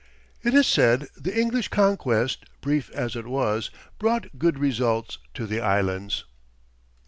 It is said the English conquest, brief as it was, brought good results to the Islands.